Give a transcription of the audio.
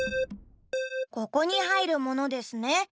ここにはいるものですね。